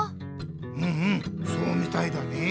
うんうんそうみたいだね。